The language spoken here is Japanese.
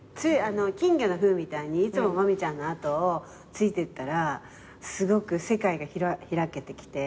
金魚のふんみたいにいつも真実ちゃんの後をついてったらすごく世界が開けてきて。